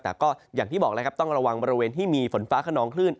แต่ก็อย่างที่บอกแล้วครับต้องระวังบริเวณที่มีฝนฟ้าขนองคลื่น